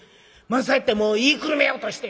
「そうやってもう言いくるめようとして！」。